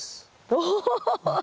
お！